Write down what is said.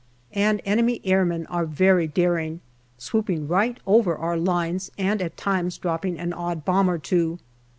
And enemy airmen are very daring, swooping right over our lines and at times dropping an odd bomb or two.